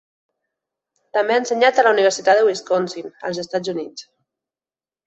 També ha ensenyat a la Universitat de Wisconsin, als Estats Units.